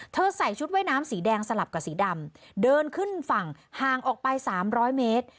ใส่ชุดว่ายน้ำสีแดงสลับกับสีดำเดินขึ้นฝั่งห่างออกไป๓๐๐เมตร